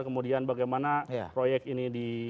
kemudian bagaimana proyek ini